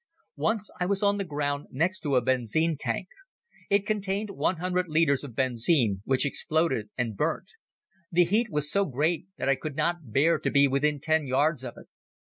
Once I was on the ground next to a benzine tank. It contained one hundred litres of benzine which exploded and burnt. The heat was so great that I could not bear to be within ten yards of it.